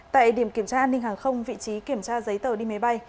tại điểm kiểm tra an ninh hàng không vị trí kiểm tra giấy tờ đi máy bay